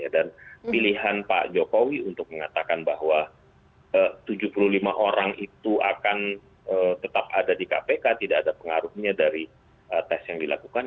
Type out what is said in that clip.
dan pilihan pak jokowi untuk mengatakan bahwa tujuh puluh lima orang itu akan tetap ada di kpk tidak ada pengaruhnya dari tes yang dilakukan